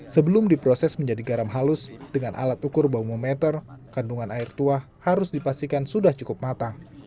sebelum diproses menjadi garam halus dengan alat ukur baumometer kandungan air tuah harus dipastikan sudah cukup matang